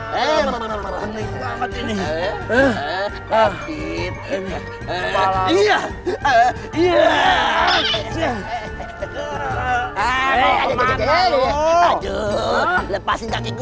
lepasin cakiku ntar aku jatuh nih